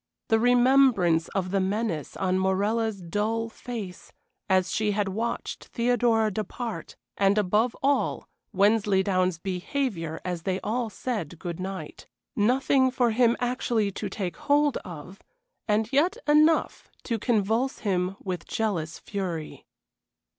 The remembrance of the menace on Morella's dull face as she had watched Theodora depart, and, above all, Wensleydown's behavior as they all said good night: nothing for him actually to take hold of, and yet enough to convulse him with jealous fury.